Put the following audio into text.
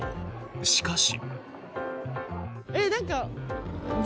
しかし。